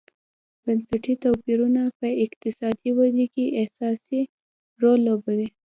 بنسټي توپیرونه په اقتصادي ودې کې اساسي رول لوبوي.